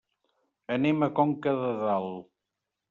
Anem a Conca de Dalt.